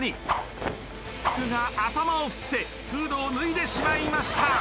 フクが頭を振ってフードを脱いでしまいました。